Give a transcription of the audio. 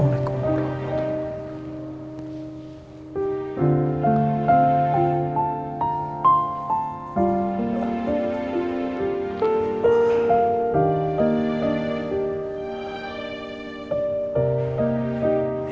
assalamualaikum warahmatullahi wabarakatuh